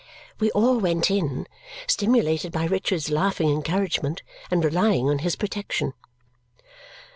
we all went in, stimulated by Richard's laughing encouragement and relying on his protection.